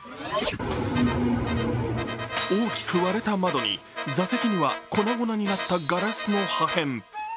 大きく割れた窓に座席には粉々になったガラスの破片。